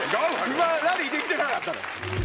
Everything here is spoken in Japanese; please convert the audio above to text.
今ラリーできてなかったな。